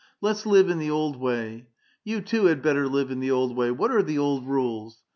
Let's live in the old wav. Y^ou too had better live in the old wav. What are the old rules ?